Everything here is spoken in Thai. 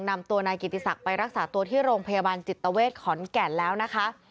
นำตัวนายกิติศักดิ์ไปรักษาตัวที่โรงพยาบาลจิตเวทขอนแก่นแล้วนะคะ